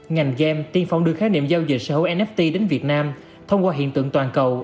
ngành game tiên phong đưa khái niệm giao dịch sở hữu nft đến việt nam thông qua hiện tượng toàn cầu